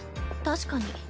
確かに。